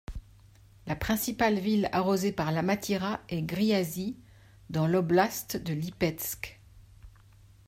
La principale ville arrosée par la Matyra est Griazi, dans l'oblast de Lipetsk.